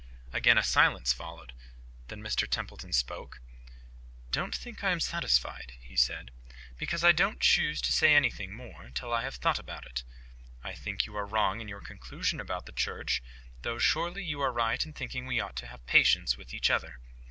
Again a silence followed. Then Mr Templeton spoke:— "Don't think I am satisfied," he said, "because I don't choose to say anything more till I have thought about it. I think you are wrong in your conclusions about the Church, though surely you are right in thinking we ought to have patience with each other.